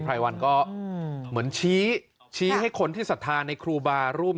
รายวันก็เหมือนชี้ให้คนที่ศรัทธาในครูบารูป